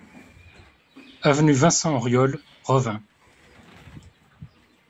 Avenue Vincent Auriol, Revin